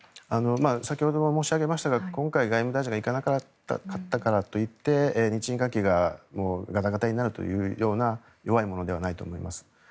先ほども申し上げましたが今回、外務大臣が行かなかったからといって日印関係がガタガタになるというような弱いものではないと思います。